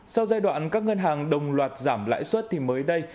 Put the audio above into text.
sau giai đoạn các ngân hàng đồng loạt giảm lãi suất thì mới đây